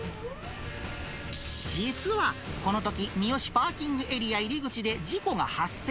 実はこのとき、三芳パーキングエリア入り口で事故が発生。